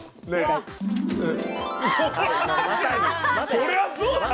そりゃそうだよ。